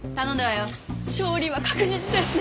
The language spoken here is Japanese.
勝利は確実ですね。